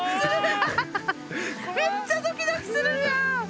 めっちゃドキドキするじゃん！